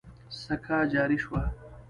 سکه جاري شوه.